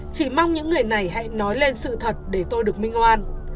chỉ mong những người này hãy nói lên sự thật để tôi được minh oan